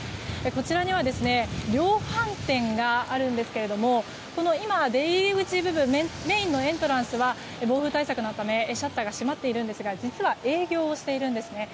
こちらには量販店があるんですが今、出入り口部分メインのエントランスは暴風対策のためシャッターが閉まっているんですが実は、営業しているんです。